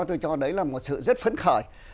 tôi cho đấy là một sự rất phấn khởi